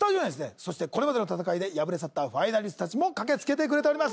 そしてこれまでの戦いで敗れ去ったファイナリストたちも駆けつけてくれております